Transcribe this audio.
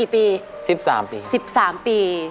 ๑๓ปี๑๓ปี